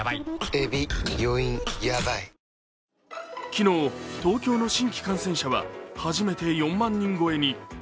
昨日、東京の新規感染者は初めて４万人超えに。